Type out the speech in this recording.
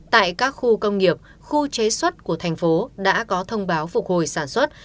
tại các khu công nghiệp khu chế xuất của thành phố đã có thông báo phục hồi sản xuất